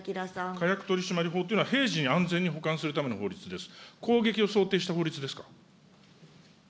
火薬取締法というのは、平時に安全に保管するための法律です。